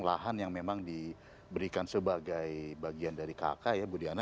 lahan yang memang diberikan sebagai bagian dari kk ya bu diana